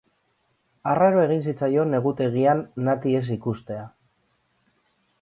Arraroa egin zitzaion negutegian Nati ez ikustea.